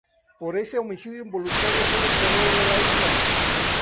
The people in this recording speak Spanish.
Por este homicidio involuntario fue desterrado de la isla.